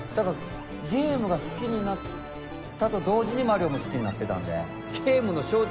ゲームが好きになったと同時にマリオも好きになってたんで。